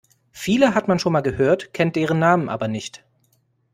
Viele hat man schon mal gehört, kennt deren Namen aber nicht.